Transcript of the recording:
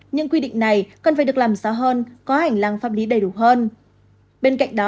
những quy định này cần phải được làm sao hơn